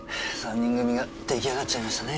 ３人組が出来上がっちゃいましたね。